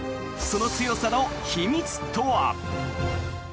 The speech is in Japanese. その強さの秘密とは。